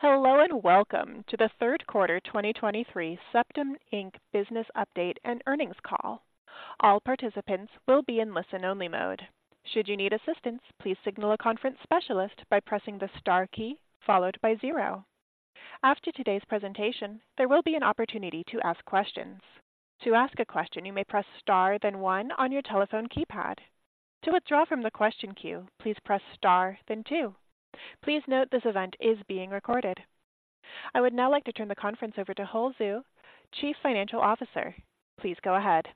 Hello, and welcome to the third quarter 2023 Cepton, Inc. business update and earnings call. All participants will be in listen-only mode. Should you need assistance, please signal a conference specialist by pressing the star key followed by zero. After today's presentation, there will be an opportunity to ask questions. To ask a question, you may press star then one on your telephone keypad. To withdraw from the question queue, please press star then two. Please note this event is being recorded. I would now like to turn the conference over to Hull Xu, Chief Financial Officer. Please go ahead.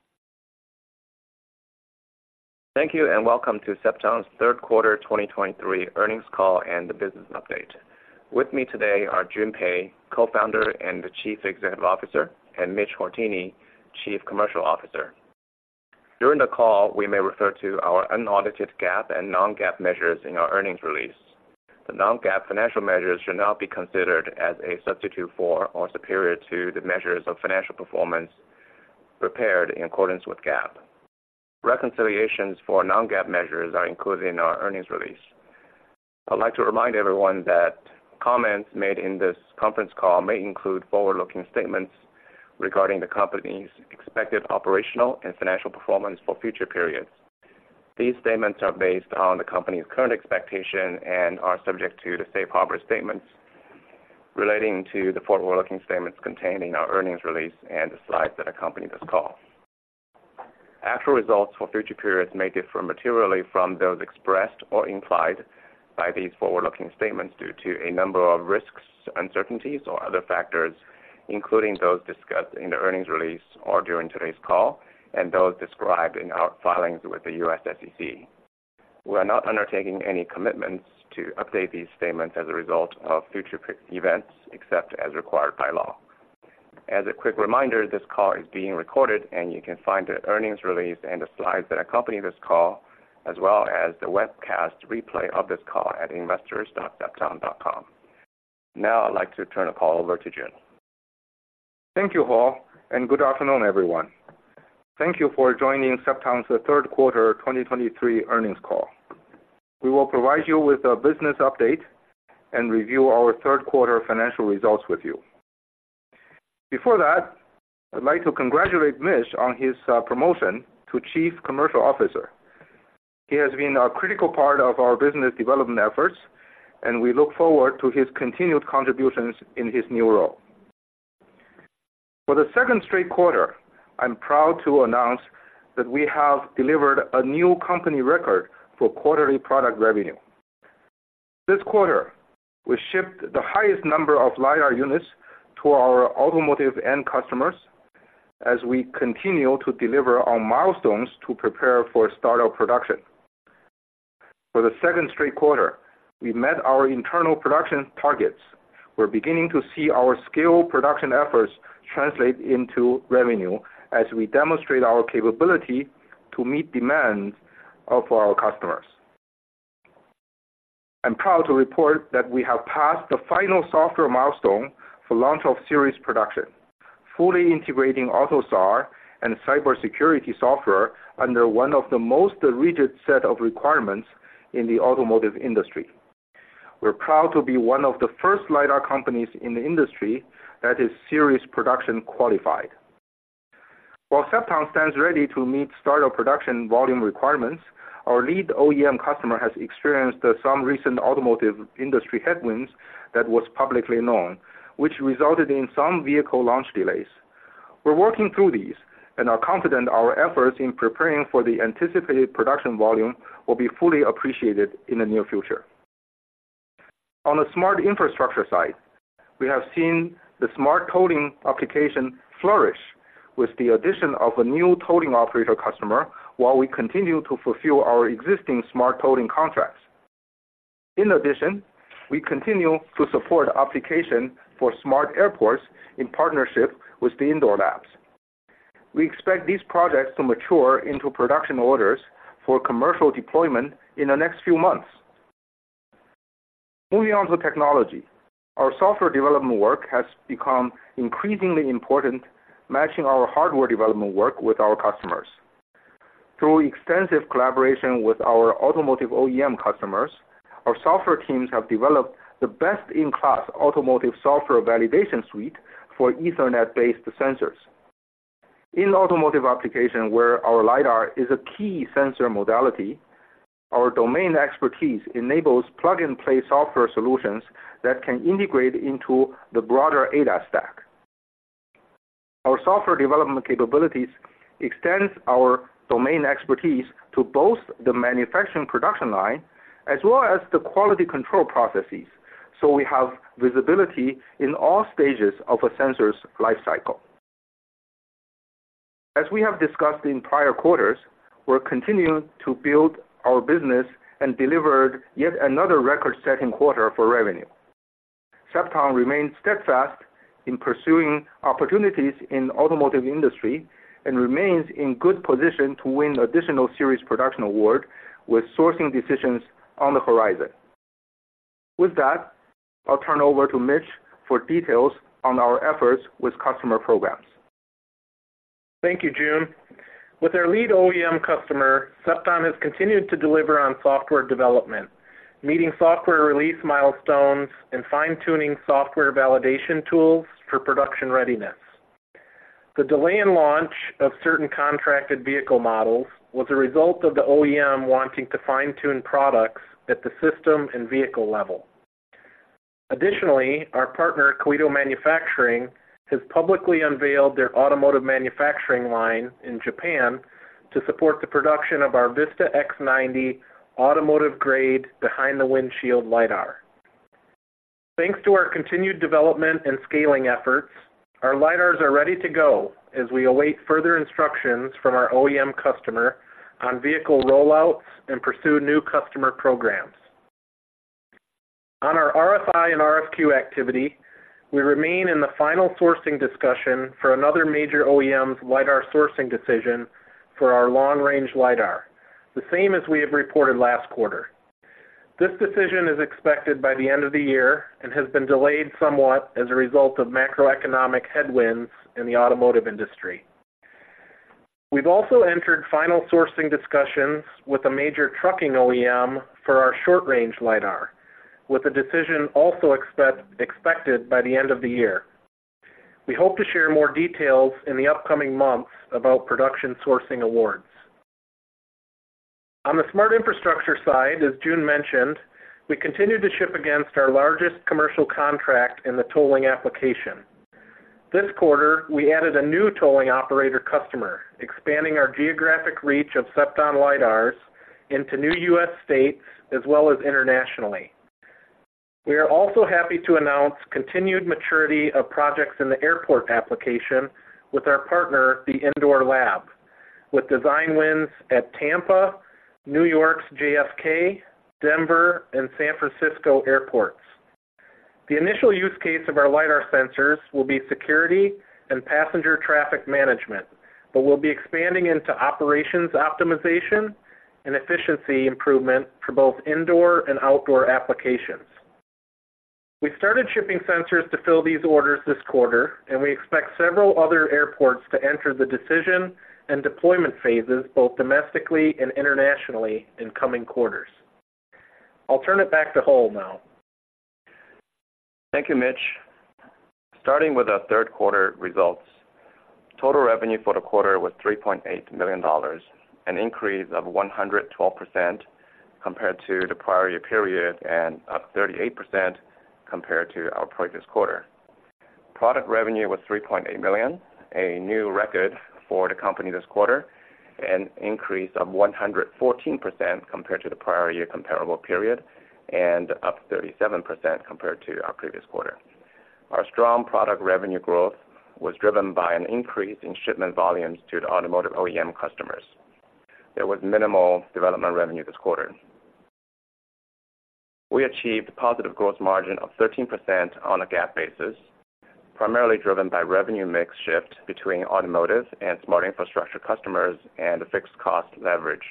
Thank you, and welcome to Cepton's third quarter 2023 earnings call and the business update. With me today are Jun Pei, Co-Founder and Chief Executive Officer, and Mitch Hourtienne, Chief Commercial Officer. During the call, we may refer to our unaudited GAAP and non-GAAP measures in our earnings release. The non-GAAP financial measures should not be considered as a substitute for or superior to the measures of financial performance prepared in accordance with GAAP. Reconciliations for non-GAAP measures are included in our earnings release. I'd like to remind everyone that comments made in this conference call may include forward-looking statements regarding the company's expected operational and financial performance for future periods. These statements are based on the company's current expectation and are subject to the safe harbor statements relating to the forward-looking statements contained in our earnings release and the slides that accompany this call. Actual results for future periods may differ materially from those expressed or implied by these forward-looking statements due to a number of risks, uncertainties, or other factors, including those discussed in the earnings release or during today's call and those described in our filings with the U.S. SEC. We are not undertaking any commitments to update these statements as a result of future events, except as required by law. As a quick reminder, this call is being recorded, and you can find the earnings release and the slides that accompany this call, as well as the webcast replay of this call at investors.cepton.com. Now I'd like to turn the call over to Jun. Thank you, Hull, and good afternoon, everyone. Thank you for joining Cepton's third quarter 2023 earnings call. We will provide you with a business update and review our third quarter financial results with you. Before that, I'd like to congratulate Mitch on his promotion to Chief Commercial Officer. He has been a critical part of our business development efforts, and we look forward to his continued contributions in his new role. For the second straight quarter, I'm proud to announce that we have delivered a new company record for quarterly product revenue. This quarter, we shipped the highest number of lidar units to our automotive end customers as we continue to deliver on milestones to prepare for start of production. For the second straight quarter, we met our internal production targets. We're beginning to see our scale production efforts translate into revenue as we demonstrate our capability to meet demands of our customers. I'm proud to report that we have passed the final software milestone for launch of series production, fully integrating AUTOSAR and cybersecurity software under one of the most rigid set of requirements in the automotive industry. We're proud to be one of the first lidar companies in the industry that is series production qualified. While Cepton stands ready to meet start of production volume requirements, our lead OEM customer has experienced some recent automotive industry headwinds that was publicly known, which resulted in some vehicle launch delays. We're working through these and are confident our efforts in preparing for the anticipated production volume will be fully appreciated in the near future. On the smart infrastructure side, we have seen the smart city application flourish with the addition of a new city operator customer, while we continue to fulfill our existing smart city contracts. In addition, we continue to support applications for smart airports in partnership with The Indoor Lab. We expect these projects to mature into production orders for commercial deployment in the next few months. Moving on to technology. Our software development work has become increasingly important, matching our hardware development work with our customers. Through extensive collaboration with our automotive OEM customers, our software teams have developed the best-in-class automotive software validation suite for Ethernet-based sensors. In automotive applications, where our lidar is a key sensor modality, our domain expertise enables plug-and-play software solutions that can integrate into the broader ADAS stack. Our software development capabilities extends our domain expertise to both the manufacturing production line, as well as the quality control processes. So we have visibility in all stages of a sensor's life cycle. As we have discussed in prior quarters, we're continuing to build our business and delivered yet another record-setting quarter for revenue. Cepton remains steadfast in pursuing opportunities in automotive industry and remains in good position to win additional series production award with sourcing decisions on the horizon. With that, I'll turn over to Mitch for details on our efforts with customer programs. Thank you, Jun. With our lead OEM customer, Cepton has continued to deliver on software development, meeting software release milestones and fine-tuning software validation tools for production readiness. The delay in launch of certain contracted vehicle models was a result of the OEM wanting to fine-tune products at the system and vehicle level. Additionally, our partner, Koito Manufacturing, has publicly unveiled their automotive manufacturing line in Japan to support the production of our Vista-X90 automotive grade behind-the-windshield lidar. Thanks to our continued development and scaling efforts, our lidars are ready to go as we await further instructions from our OEM customer on vehicle rollouts and pursue new customer programs. On our RFI and RFQ activity, we remain in the final sourcing discussion for another major OEM's lidar sourcing decision for our long-range lidar, the same as we have reported last quarter. This decision is expected by the end of the year and has been delayed somewhat as a result of macroeconomic headwinds in the automotive industry. We've also entered final sourcing discussions with a major trucking OEM for our short-range lidar, with a decision also expected by the end of the year. We hope to share more details in the upcoming months about production sourcing awards. On the smart infrastructure side, as Jun mentioned, we continue to ship against our largest commercial contract in the tolling application. This quarter, we added a new tolling operator customer, expanding our geographic reach of Cepton lidars into new U.S. states as well as internationally. We are also happy to announce continued maturity of projects in the airport application with our partner, The Indoor Lab, with design wins at Tampa, New York's JFK, Denver, and San Francisco airports. The initial use case of our lidar sensors will be security and passenger traffic management, but we'll be expanding into operations optimization and efficiency improvement for both indoor and outdoor applications. We started shipping sensors to fill these orders this quarter, and we expect several other airports to enter the decision and deployment phases, both domestically and internationally, in coming quarters. I'll turn it back to Hull now. Thank you, Mitch. Starting with our third quarter results, total revenue for the quarter was $3.8 million, an increase of 112% compared to the prior year period and up 38% compared to our previous quarter. Product revenue was $3.8 million, a new record for the company this quarter, an increase of 114% compared to the prior year comparable period and up 37% compared to our previous quarter. Our strong product revenue growth was driven by an increase in shipment volumes to the automotive OEM customers. There was minimal development revenue this quarter. We achieved a positive gross margin of 13% on a GAAP basis, primarily driven by revenue mix shift between automotive and smart infrastructure customers and a fixed cost leverage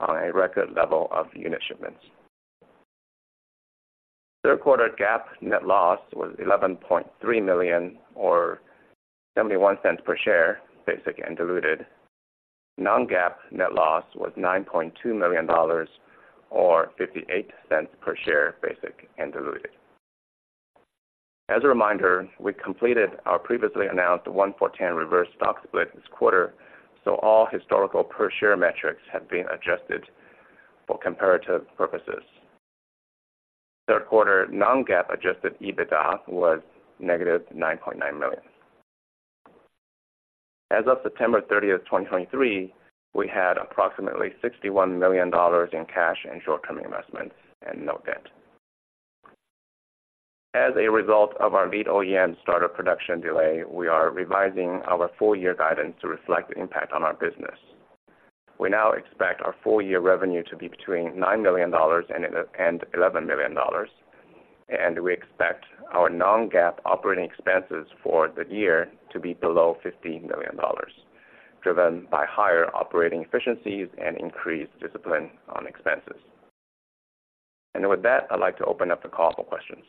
on a record level of unit shipments. Third quarter GAAP net loss was $11.3 million, or 71 cents per share, basic and diluted. non-GAAP net loss was $9.2 million, or 58 cents per share, basic and diluted. As a reminder, we completed our previously announced one-for-10 reverse stock split this quarter, so all historical per-share metrics have been adjusted for comparative purposes. Third quarter non-GAAP adjusted EBITDA was -$9.9 million. As of September 30th, 2023, we had approximately $61 million in cash and short-term investments and no debt. As a result of our lead OEM startup production delay, we are revising our full year guidance to reflect the impact on our business. We now expect our full year revenue to be between $9 million and $11 million, and we expect our non-GAAP operating expenses for the year to be below $15 million, driven by higher operating efficiencies and increased discipline on expenses. And with that, I'd like to open up the call for questions.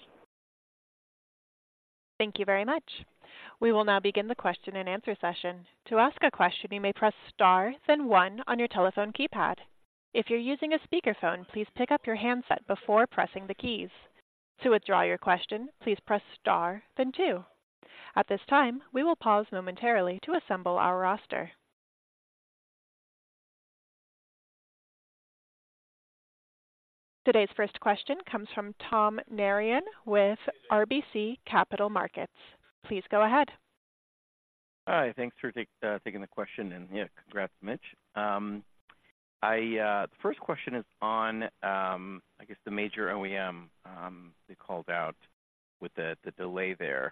Thank you very much. We will now begin the question-and-answer session. To ask a question, you may press star, then one on your telephone keypad. If you're using a speakerphone, please pick up your handset before pressing the keys. To withdraw your question, please press star, then two. At this time, we will pause momentarily to assemble our roster. Today's first question comes from Tom Narayan with RBC Capital Markets. Please go ahead. Hi, thanks for taking the question, and, yeah, congrats, Mitch. The first question is on, I guess the major OEM you called out with the delay there.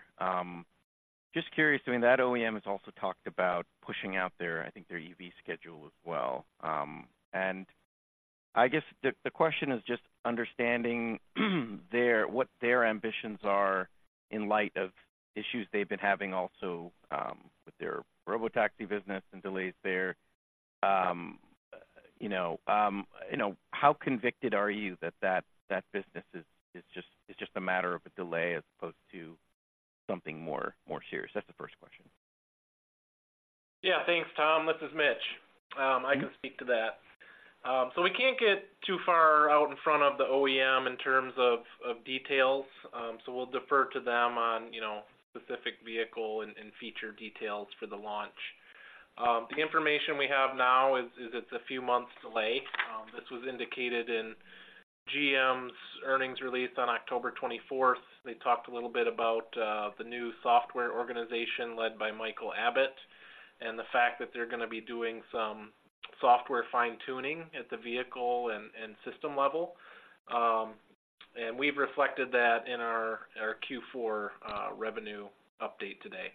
Just curious, I mean, that OEM has also talked about pushing out their, I think, their EV schedule as well. And I guess the question is just understanding their what their ambitions are in light of issues they've been having also with their robotaxi business and delays there. You know, how convicted are you that that business is just it's just a matter of a delay as opposed to something more serious? That's the first question. Yeah, thanks, Tom. This is Mitch. I can speak to that. So we can't get too far out in front of the OEM in terms of, of details. So we'll defer to them on, you know, specific vehicle and, and feature details for the launch. The information we have now is, is it's a few months delay. This was indicated in GM's earnings release on October 24th. They talked a little bit about, the new software organization led by Michael Abbott and the fact that they're gonna be doing some software fine-tuning at the vehicle and, and system level. And we've reflected that in our, our Q4, revenue update today.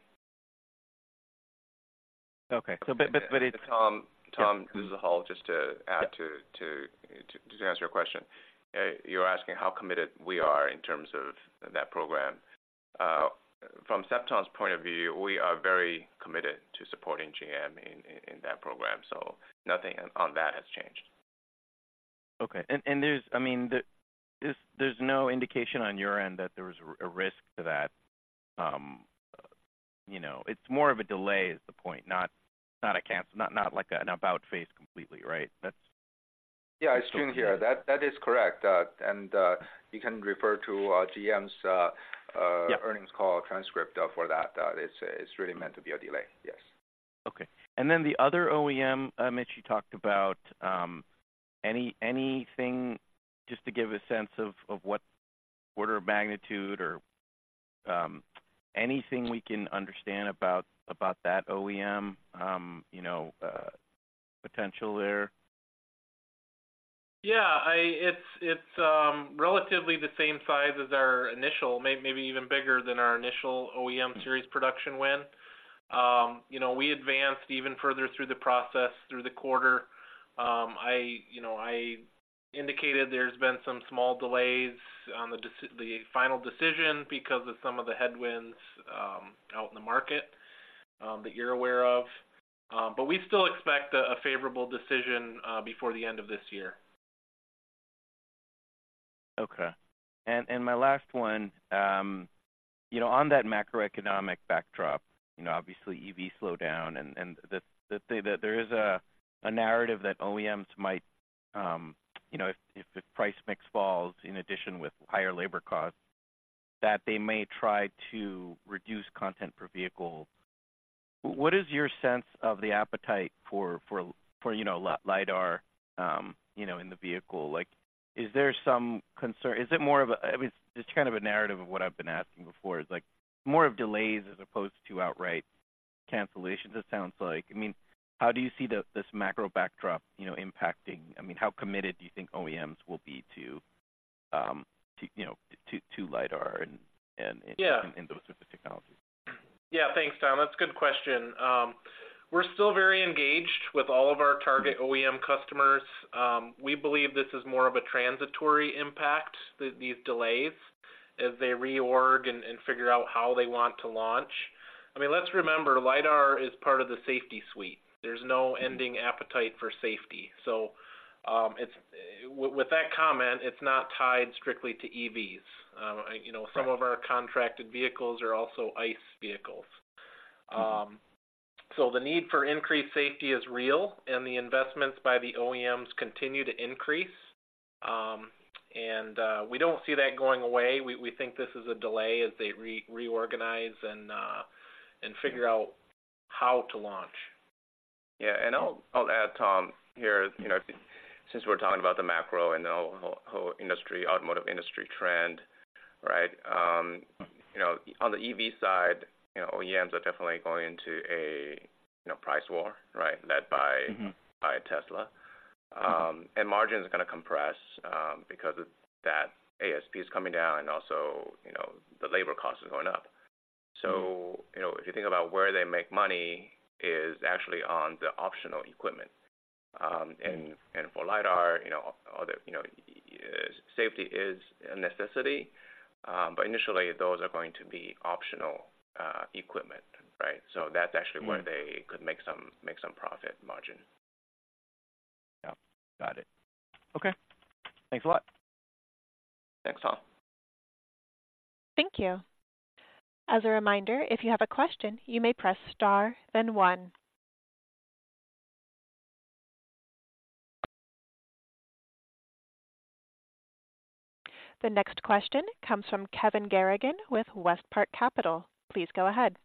Okay. But it- Tom, Tom, this is Hull. Just to add to- Yeah to answer your question. You're asking how committed we are in terms of that program. From Cepton's point of view, we are very committed to supporting GM in that program, so nothing on that has changed. Okay. There's—I mean, there's no indication on your end that there is a risk to that. You know, it's more of a delay, is the point, not a cancel—not like an about-face completely, right? That's- Yeah, it's Jun here. That is correct. You can refer to GM's Yeah Earnings call transcript for that. It's really meant to be a delay. Yes. Okay. And then the other OEM, Mitch, you talked about, anything just to give a sense of what order of magnitude or anything we can understand about that OEM, you know, potential there? Yeah, it's relatively the same size as our initial, maybe even bigger than our initial OEM series production win. You know, we advanced even further through the process, through the quarter. I, you know, I indicated there's been some small delays on the final decision because of some of the headwinds out in the market that you're aware of. But we still expect a favorable decision before the end of this year. Okay. And my last one, you know, on that macroeconomic backdrop, you know, obviously, EV slowdown and there is a narrative that OEMs might, you know, if the price mix falls in addition with higher labor costs, that they may try to reduce content per vehicle. What is your sense of the appetite for you know, lidar, you know, in the vehicle? Like, is there some concern? Is it more of a I mean, just kind of a narrative of what I've been asking before, is like more of delays as opposed to outright cancellations, it sounds like. I mean, how do you see this macro backdrop, you know, impacting? I mean, how committed do you think OEMs will be to, you know, to lidar and Yeah in those specific technologies? Yeah. Thanks, Tom. That's a good question. We're still very engaged with all of our target OEM customers. We believe this is more of a transitory impact, these delays, as they reorg and figure out how they want to launch. I mean, let's remember, lidar is part of the safety suite. There's no ending appetite for safety. So, with that comment, it's not tied strictly to EVs. You know, some of our contracted vehicles are also ICE vehicles. So the need for increased safety is real, and the investments by the OEMs continue to increase. And we don't see that going away. We think this is a delay as they reorganize and figure out how to launch. Yeah, and I'll, I'll add, Tom, here, you know, since we're talking about the macro and the whole, whole industry, automotive industry trend, right? You know, on the EV side, you know, OEMs are definitely going into a, you know, price war, right? Led by- Mm-hmm by Tesla. And margins are gonna compress, because of that. ASP is coming down, and also, you know, the labor cost is going up. Mm-hmm. So, you know, if you think about where they make money is actually on the optional equipment. Mm and for lidar, you know, all the, you know, safety is a necessity, but initially, those are going to be optional equipment, right? So that's actually- Mm where they could make some profit margin. Yeah. Got it. Okay. Thanks a lot. Thanks, Tom. Thank you. As a reminder, if you have a question, you may press star then One. The next question comes from Kevin Garrigan with WestPark Capital. Please go ahead.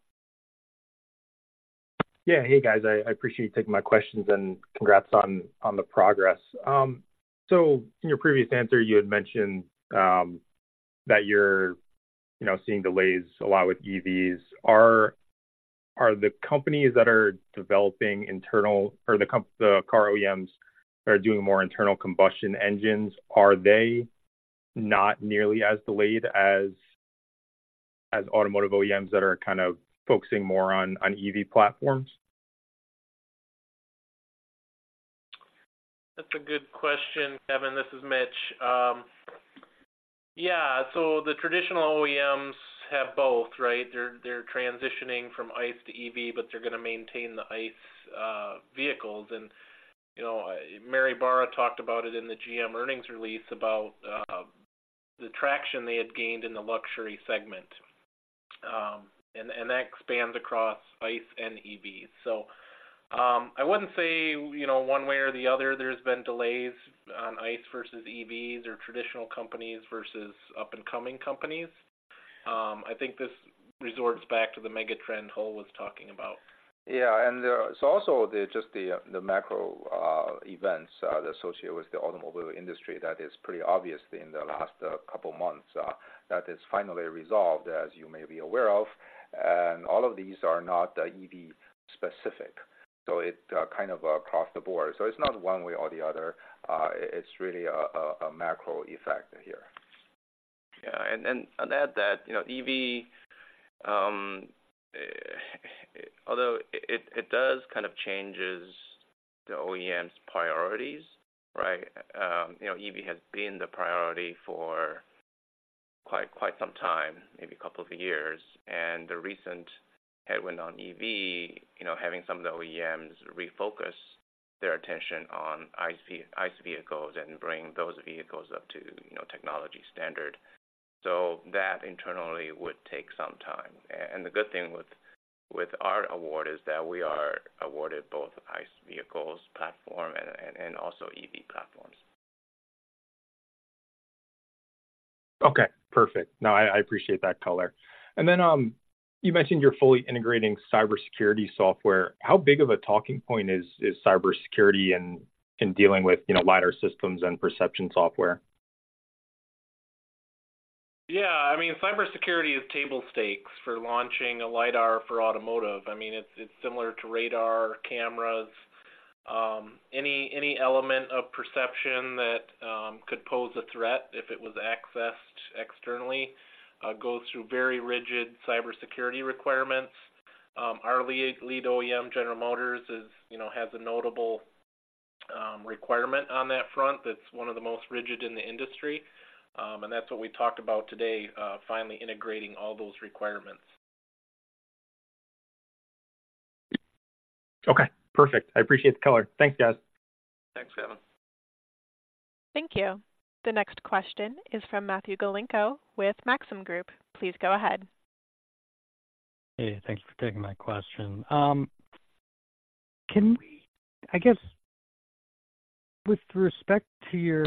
Yeah. Hey, guys. I appreciate you taking my questions, and congrats on the progress. So in your previous answer, you had mentioned that you're, you know, seeing delays a lot with EVs. Are the companies that are developing internal... or the car OEMs that are doing more internal combustion engines not nearly as delayed as automotive OEMs that are kind of focusing more on EV platforms? That's a good question, Kevin. This is Mitch. Yeah, so the traditional OEMs have both, right? They're transitioning from ICE to EV, but they're going to maintain the ICE vehicles. And, you know, Mary Barra talked about it in the GM earnings release, about the traction they had gained in the luxury segment. And that expands across ICE and EVs. So, I wouldn't say, you know, one way or the other, there's been delays on ICE versus EVs or traditional companies versus up-and-coming companies. I think this resorts back to the mega trend Hull was talking about. Yeah, and there's also just the macro events associated with the automobile industry that is pretty obvious in the last couple months that is finally resolved, as you may be aware of. And all of these are not EV specific, so it kind of across the board. So it's not one way or the other, it's really a macro effect here. Yeah, and I'll add that, you know, EV, although it does kind of change the OEM's priorities, right? You know, EV has been the priority for quite some time, maybe a couple of years. And the recent headwind on EV, you know, having some of the OEMs refocus their attention on ICE vehicles and bring those vehicles up to, you know, technology standard. So that internally would take some time. And the good thing with our award is that we are awarded both ICE vehicles platform and also EV platforms. Okay, perfect. No, I appreciate that color. And then, you mentioned you're fully integrating cybersecurity software. How big of a talking point is cybersecurity in dealing with, you know, lidar systems and perception software? Yeah, I mean, cybersecurity is table stakes for launching a lidar for automotive. I mean, it's similar to radar, cameras. Any element of perception that could pose a threat if it was accessed externally goes through very rigid cybersecurity requirements. Our lead OEM, General Motors, is, you know, has a notable requirement on that front that's one of the most rigid in the industry. And that's what we talked about today, finally integrating all those requirements. Okay, perfect. I appreciate the color. Thanks, guys. Thanks, Kevin. Thank you. The next question is from Matthew Galinko with Maxim Group. Please go ahead. Hey, thank you for taking my question. Can we, I guess with respect to your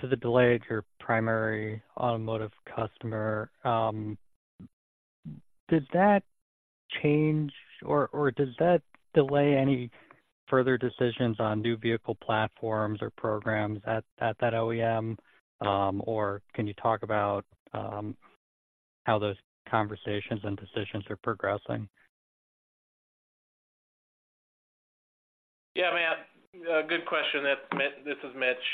to the delay of your primary automotive customer, did that change or does that delay any further decisions on new vehicle platforms or programs at that OEM? Or can you talk about how those conversations and decisions are progressing? Yeah, Matt, good question. That's Mitch. This is Mitch.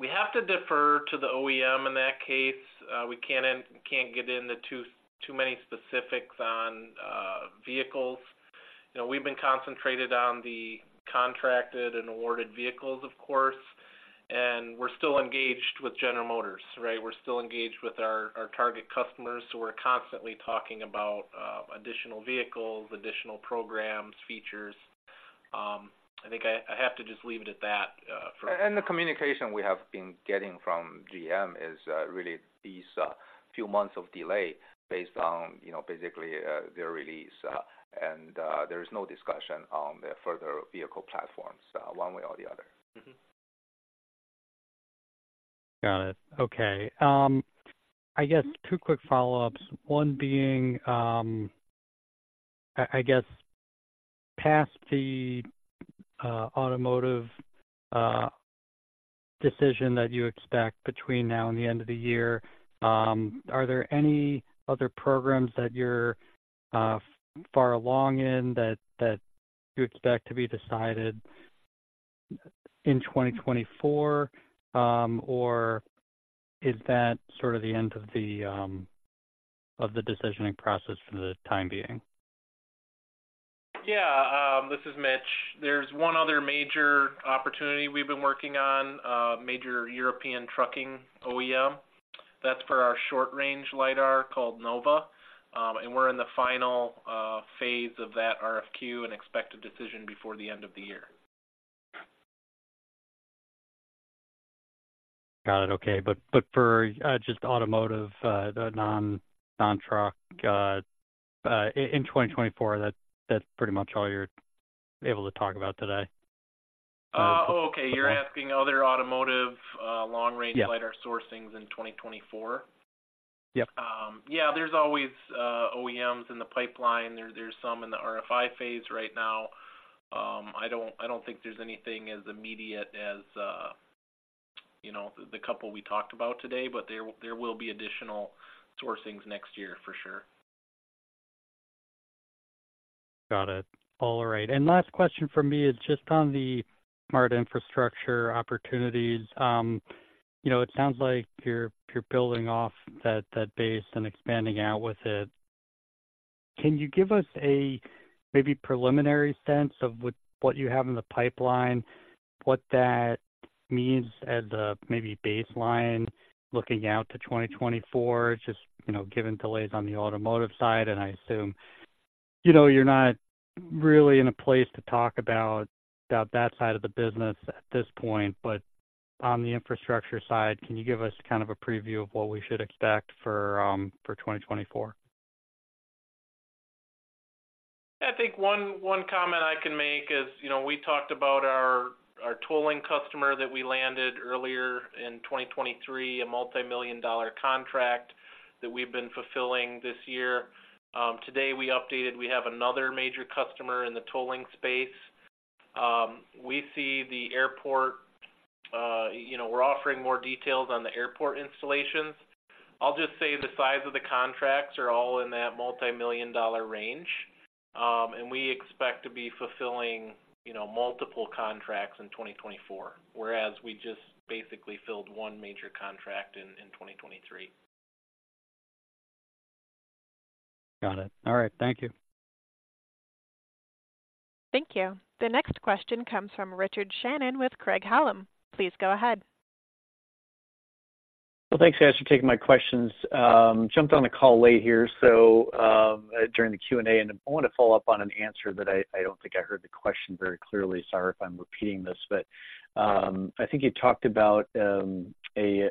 We have to defer to the OEM in that case. We can't get into too many specifics on vehicles. You know, we've been concentrated on the contracted and awarded vehicles, of course, and we're still engaged with General Motors, right? We're still engaged with our target customers, so we're constantly talking about additional vehicles, additional programs, features. I think I have to just leave it at that, for- The communication we have been getting from GM is really these few months of delay based on, you know, basically their release. There is no discussion on the further vehicle platforms one way or the other. Mm-hmm. Got it. Okay. I guess two quick follow-ups. One being, I guess, past the automotive decision that you expect between now and the end of the year, are there any other programs that you're far along in that you expect to be decided in 2024? Or is that sort of the end of the decisioning process for the time being? Yeah, this is Mitch. There's one other major opportunity we've been working on, a major European trucking OEM. That's for our short-range lidar called Nova. And we're in the final phase of that RFQ and expect a decision before the end of the year. Got it. Okay. But for just automotive, the non-truck, in 2024, that's pretty much all you're able to talk about today? Okay. You're asking other automotive, long-range- Yeah lidar sourcings in 2024? Yep. Yeah, there's always OEMs in the pipeline. There, there's some in the RFI phase right now. I don't, I don't think there's anything as immediate as you know, the couple we talked about today, but there, there will be additional sourcings next year for sure. Got it. All right. Last question from me is just on the smart infrastructure opportunities. You know, it sounds like you're building off that base and expanding out with it. Can you give us a maybe preliminary sense of what you have in the pipeline, what that means at the maybe baseline, looking out to 2024, just, you know, given delays on the automotive side, and I assume, you know, you're not really in a place to talk about that side of the business at this point. But on the infrastructure side, can you give us kind of a preview of what we should expect for, for 2024? I think one comment I can make is, you know, we talked about our tolling customer that we landed earlier in 2023, a multi-million-dollar contract that we've been fulfilling this year. Today, we updated, we have another major customer in the tolling space. We see the airport, you know, we're offering more details on the airport installations. I'll just say the size of the contracts are all in that multi-million-dollar range. And we expect to be fulfilling, you know, multiple contracts in 2024, whereas we just basically filled one major contract in 2023. Got it. All right. Thank you. Thank you. The next question comes from Richard Shannon with Craig-Hallum. Please go ahead. Well, thanks, guys, for taking my questions. Jumped on the call late here, so during the Q&A, and I want to follow up on an answer that I don't think I heard the question very clearly. Sorry if I'm repeating this, but I think you talked about an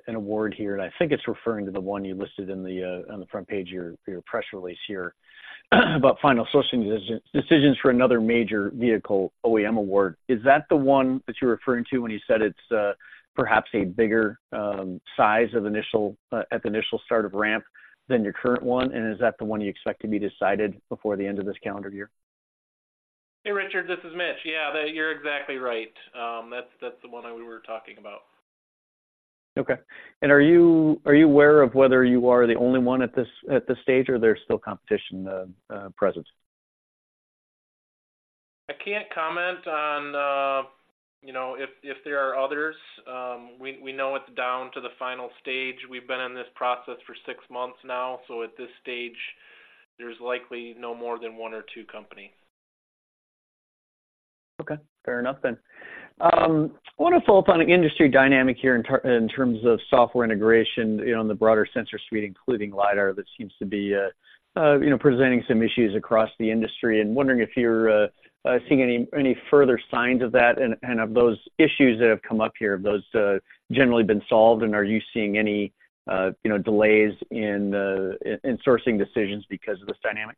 award here, and I think it's referring to the one you listed in the on the front page of your press release here, about final sourcing decisions for another major vehicle OEM award. Is that the one that you're referring to when you said it's perhaps a bigger size of initial at the initial start of ramp than your current one? And is that the one you expect to be decided before the end of this calendar year? Hey, Richard, this is Mitch. Yeah, that... You're exactly right. That's, that's the one I, we were talking about. Okay. Are you aware of whether you are the only one at this stage, or there's still competition present? I can't comment on, you know, if there are others. We know it's down to the final stage. We've been in this process for six months now, so at this stage, there's likely no more than one or two company. Okay, fair enough then. I want to follow up on an industry dynamic here in terms of software integration, you know, on the broader sensor suite, including lidar, that seems to be, you know, presenting some issues across the industry. Wondering if you're seeing any further signs of that and of those issues that have come up here. Have those generally been solved, and are you seeing any, you know, delays in sourcing decisions because of this dynamic?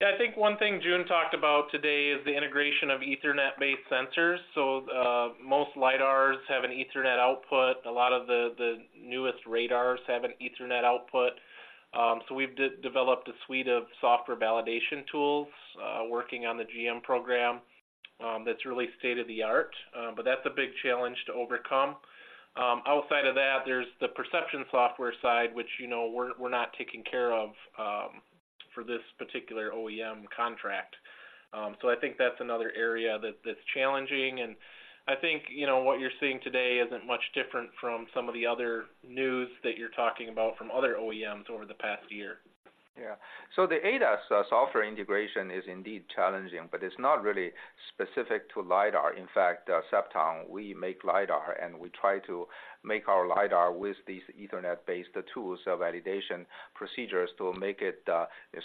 Yeah, I think one thing Jun talked about today is the integration of Ethernet-based sensors. So, most lidars have an Ethernet output. A lot of the, the newest radars have an Ethernet output. So we've developed a suite of software validation tools, working on the GM program, that's really state-of-the-art. But that's a big challenge to overcome. Outside of that, there's the perception software side, which, you know, we're, we're not taking care of, for this particular OEM contract. So I think that's another area that's, that's challenging, and I think, you know, what you're seeing today isn't much different from some of the other news that you're talking about from other OEMs over the past year. Yeah. So the ADAS software integration is indeed challenging, but it's not really specific to lidar. In fact, Cepton, we make lidar, and we try to make our lidar with these Ethernet-based tools, validation procedures to make it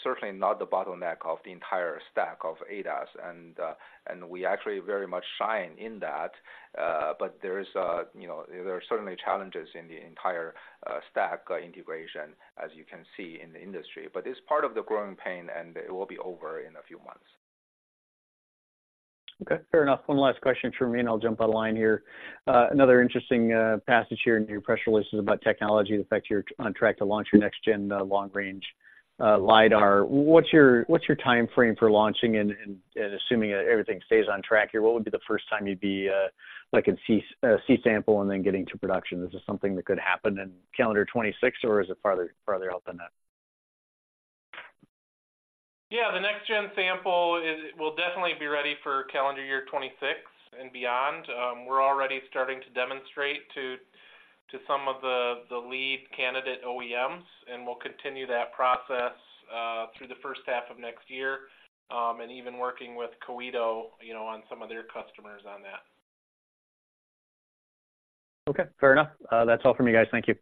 certainly not the bottleneck of the entire stack of ADAS. And, and we actually very much shine in that. But there is a, you know, there are certainly challenges in the entire stack, integration, as you can see in the industry, but it's part of the growing pain, and it will be over in a few months. Okay, fair enough. One last question from me, and I'll jump on line here. Another interesting passage here in your press release is about technology. In fact, you're on track to launch your next-gen long-range lidar. What's your, what's your timeframe for launching? And assuming that everything stays on track here, what would be the first time you'd be like in C-sample and then getting to production? Is this something that could happen in calendar 2026, or is it farther, farther out than that? Yeah, the next-gen sample will definitely be ready for calendar year 2026 and beyond. We're already starting to demonstrate to some of the lead candidate OEMs, and we'll continue that process through the first half of next year. And even working with Koito, you know, on some of their customers on that. Okay, fair enough. That's all from me, guys. Thank you.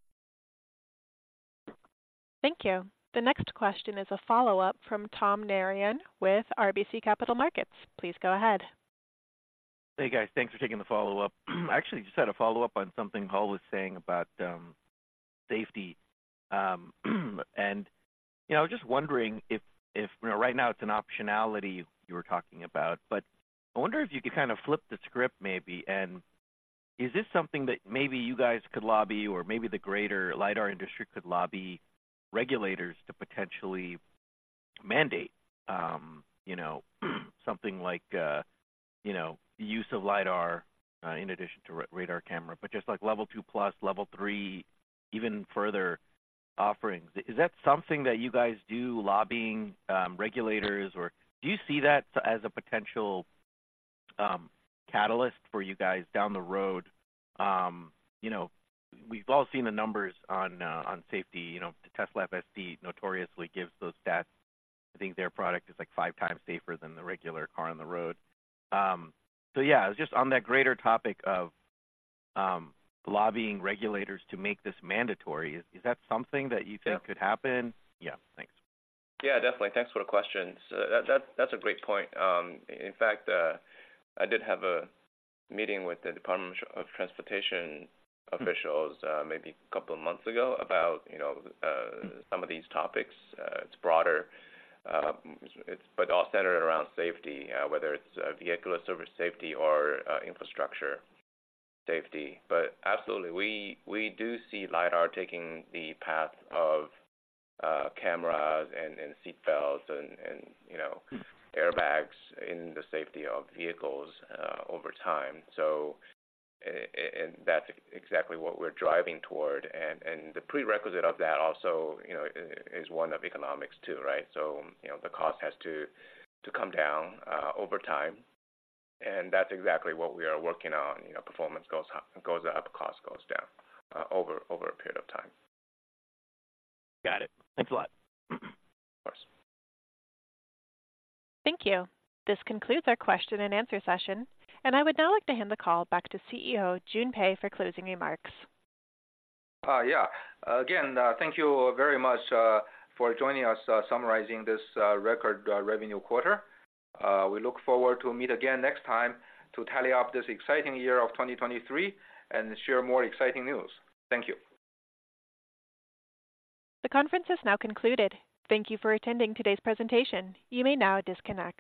Thank you. The next question is a follow-up from Tom Narayan with RBC Capital Markets. Please go ahead. Hey, guys. Thanks for taking the follow-up. I actually just had a follow-up on something Hull was saying about safety. And, you know, just wondering if, you know, right now it's an optionality you were talking about, but I wonder if you could kind of flip the script maybe, and is this something that maybe you guys could lobby or maybe the greater lidar industry could lobby regulators to potentially mandate? You know, something like, you know, use of lidar in addition to radar camera, but just like Level 2+, Level 3, even further offerings. Is that something that you guys do, lobbying regulators, or do you see that as a potential catalyst for you guys down the road? You know, we've all seen the numbers on safety. You know, the Tesla FSD notoriously gives those stats. I think their product is, like, five times safer than the regular car on the road. So yeah, just on that greater topic of lobbying regulators to make this mandatory, is that something that you think could happen? Yeah. Thanks. Yeah, definitely. Thanks for the question. So that's a great point. In fact, I did have a meeting with the Department of Transportation officials, maybe a couple of months ago, about, you know, some of these topics. It's broader, but all centered around safety, whether it's vehicle or service safety or infrastructure safety. But absolutely, we do see lidar taking the path of cameras and seatbelts and, you know, airbags in the safety of vehicles over time. So, and that's exactly what we're driving toward. And the prerequisite of that also, you know, is one of economics, too, right? So, you know, the cost has to come down over time, and that's exactly what we are working on. You know, performance goes up, goes up, cost goes down over a period of time. Got it. Thanks a lot. Of course. Thank you. This concludes our question and answer session, and I would now like to hand the call back to CEO, Jun Pei, for closing remarks. Yeah. Again, thank you very much for joining us, summarizing this record revenue quarter. We look forward to meet again next time to tally up this exciting year of 2023 and share more exciting news. Thank you. The conference is now concluded. Thank you for attending today's presentation. You may now disconnect.